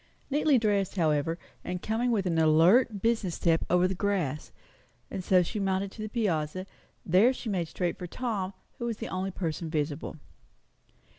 Neatly dressed, however, and coming with an alert, business step over the grass, and so she mounted to the piazza. There she made straight for Tom, who was the only person visible.